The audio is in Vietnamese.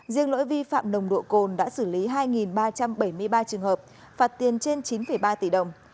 riêng lỗi vi phạm nồng độ cồn đã xử lý hai ba trăm bảy mươi ba trường hợp phạt tiền trên chín ba tỷ đồng